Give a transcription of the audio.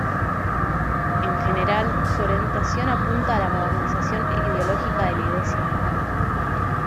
En general, su orientación apunta a la modernización ideológica de la Iglesia hispana.